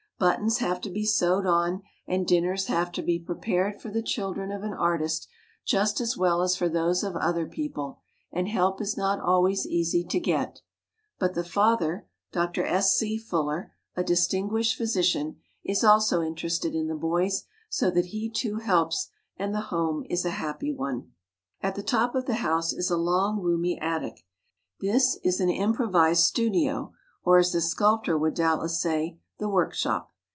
Buttons have to be sewed on and dinners have to be pre pared for the children of an artist just as well as for those of other people; and help is not always easy to get. But the father, Dr. S. C. Fuller, a distinguished physician, is also interested in the boys, so that he too helps, and the home is a happy one. At the top of the house is a long roomy attic. This is an improvised studio or, as the sculptor would doubtless say, the work shop.